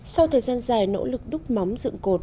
sau thời gian dài nỗ lực đúc móng dựng cột